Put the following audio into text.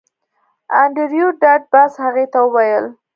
انډریو ډاټ باس هغې ته وویل